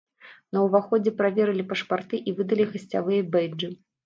На ўваходзе праверылі пашпарты і выдалі гасцявыя бэйджы.